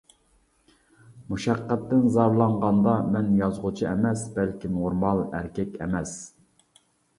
مۇشەققەتتىن زارلانغاندا مەن يازغۇچى ئەمەس، بەلكى نورمال ئەركەك ئەمەس.